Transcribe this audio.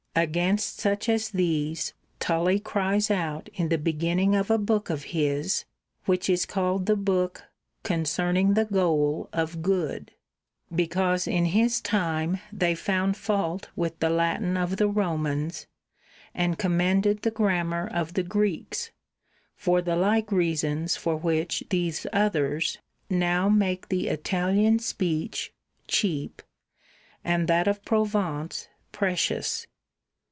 Against such as these Tully cries out in the beginning of a book of his, which is called the book Concerning the Goal of Good; because in XI. THE FIRST TREATISE 51 his time they found fault with the Latin of the Vanity Romans and commended the Grammar of the ^^'^^^^ Greeks, for the like reasons for which these others now make the Italian speech cheap and []ioo3 that of Provence precious.